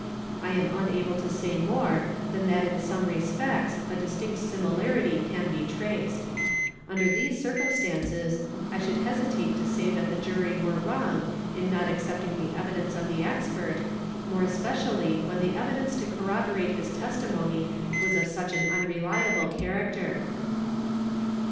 I am unable to say more than that in some respects a distinct similarity can be traced. Under these circumstances, I should hesitate — to say that the Jury were wrong in not accepting the evidence of the © expert, more especially when the evidence to corroborate his testimony — was of such an unreliable character.............